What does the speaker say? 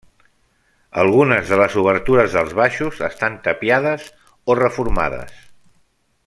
Algunes de les obertures dels baixos estan tapiades o reformades.